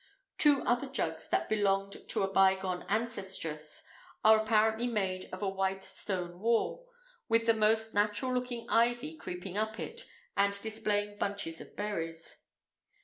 Two other jugs that belonged to a bygone ancestress are apparently made of a white stone wall, with the most natural looking ivy creeping up it and displaying bunches of berries.